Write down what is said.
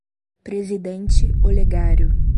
Presidente Olegário